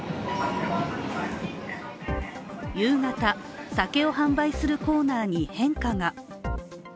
夕方、酒を販売するコーナーに変化が。